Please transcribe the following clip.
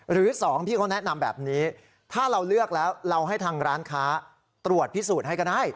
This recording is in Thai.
หรือ๒พี่เขาแนะนำแบบนี้ถ้าเราเลือกแล้วเราให้ทางร้านค้าตรวจพิสูจน์ให้ก็ได้